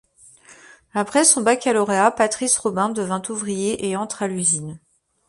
Après son baccalauréat, Patrice Robin devient ouvrier et entre à l'usine.